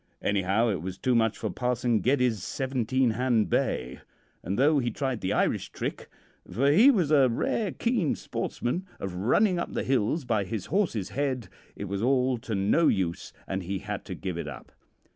Anyhow, it was too much for Parson Geddes' seventeen hand bay, and though he tried the Irish trick for he was a rare keen sportsman of running up the hills by his horse's head, it was all to no use, and he had to give it up.